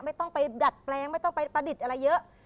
ไม่ต้องไปดัดแปลงไม่ต้องไปประดิษฐ์อะไรเยอะ